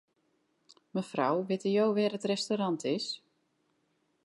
Mefrou, witte jo wêr't it restaurant is?